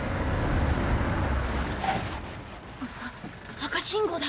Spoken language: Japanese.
赤信号だ。